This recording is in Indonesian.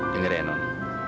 dengar ya non